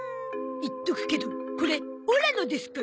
言っとくけどこれオラのですから。